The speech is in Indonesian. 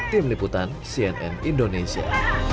tim liputan cnn indonesia